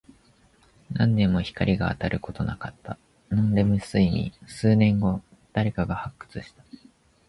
何年も光が当たることなかった。ノンレム睡眠。数年後、誰かが発掘した。